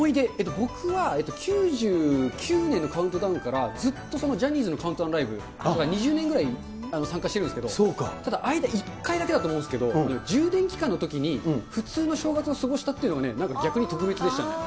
僕は、９９年のカウントダウンから、ずっとジャニーズのカウントダウンライブ、２０年ぐらい参加してるんですけど、ただ、間、１回だけだと思うんですけど、特別、とくべつ充電期間のときに、普通の正月を過ごしたっていうのがね、なんか逆に特別でしたね。